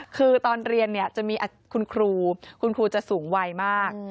คือตอนเรียนเนี่ยจะมีคุณครูคุณครูจะสูงวัยมาก